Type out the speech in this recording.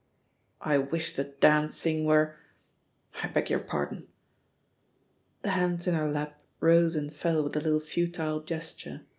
"I wish the damned thing were — I beg your pardon 1" The hands in her lap rose and fell with a little futile gesture.